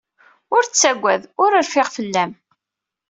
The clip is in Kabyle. Ur ttagad. Ur rfiɣ fell-am.